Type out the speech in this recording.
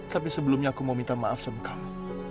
tapi sebelumnya aku mau minta maaf sama kamu